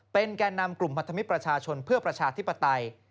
เป็นแก่นำกลุ่มพันธมิตรประชาชนเพื่อประชาธิปไตย